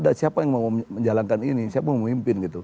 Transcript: tidak ada siapa yang mau menjalankan ini siapa yang mau memimpin